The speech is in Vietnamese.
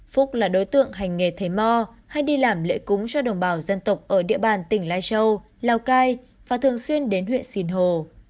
phúc là đối tượng hành nghề thầy mò hay đi làm lễ cúng cho đồng bào dân tộc ở địa bàn tỉnh lai châu lào cai và thường xuyên đến huyện sìn hồ